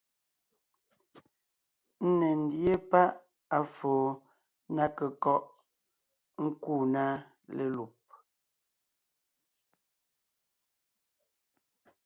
Ńne ńdíe páʼ à foo ná kékɔ́ʼ nkúu na lelùb,